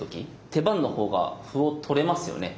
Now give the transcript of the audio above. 手番のほうが歩を取れますよね？